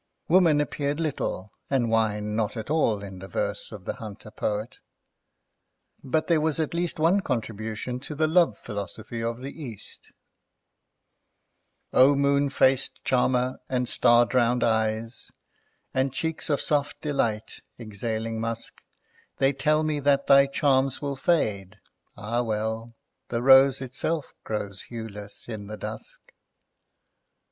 Woman appeared little, and wine not at all in the verse of the hunter poet, but there was at least one contribution to the love philosophy of the East— "O Moon faced Charmer, and Star drownèd Eyes, And cheeks of soft delight, exhaling musk, They tell me that thy charm will fade; ah well, The Rose itself grows hue less in the Dusk."